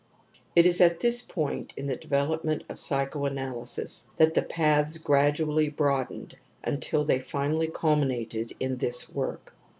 It is at this point in the development of psychoanalysis that the paths gradiially broad j^ned until they finally culminated in this work.